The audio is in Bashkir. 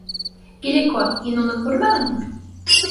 Геликон, һин уны күрмәнеңме?